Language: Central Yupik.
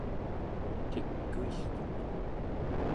cikuilquq